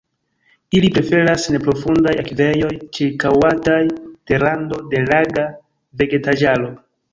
Ili preferas neprofundaj akvejoj ĉirkaŭataj de rando de laga vegetaĵaro.